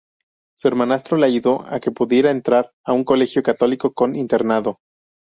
Su hermanastro la ayudó a que pudiera entrar a un colegio católico con internado.